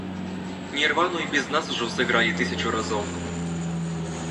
Нірвану і без нас ужо сыгралі тысячу разоў.